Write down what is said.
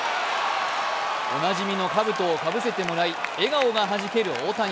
おなじみのかぶとをかぶせてもらい笑顔がはじける大谷。